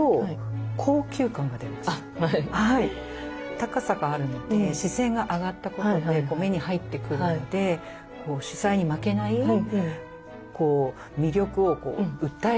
高さがあるので視線が上がったことで目に入ってくるので主菜に負けない魅力を訴えてくるように見えます。